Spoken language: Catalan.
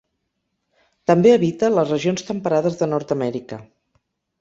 També habita les regions temperades de Nord-amèrica.